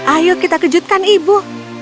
ayo kita kejutkan ibu